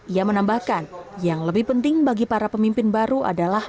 ia menambahkan yang lebih penting bagi para pemimpin baru adalah